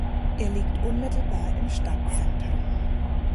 Er liegt unmittelbar im Stadtzentrum.